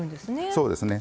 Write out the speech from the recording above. そうですね。